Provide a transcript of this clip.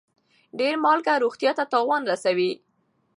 ډيره مالګه روغتيا ته تاوان رسوي.